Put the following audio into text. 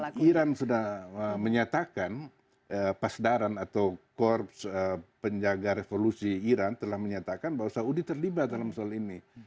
karena iran sudah menyatakan pasdaran atau korps penjaga revolusi iran telah menyatakan bahwa saudi terlibat dalam soal ini